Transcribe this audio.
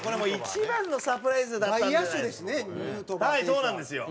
そうなんですよ。